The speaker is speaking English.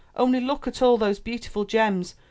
Only look at all those beautiful gems.